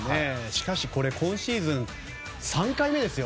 しかし、今シーズン３回目ですよ